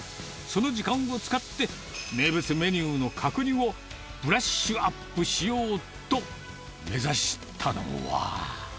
その時間を使って、名物メニューの角煮をブラッシュアップしようと目指したのは。